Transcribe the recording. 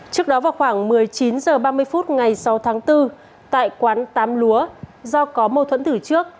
trước đó vào khoảng một mươi chín h ba mươi phút ngày sáu tháng bốn tại quán tám lúa do có mâu thuẫn từ trước